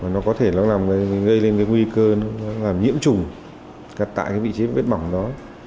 nó có thể gây lên cái nguy cơ làm nhiễm trùng cắt tại cái vị trí vết bỏng đó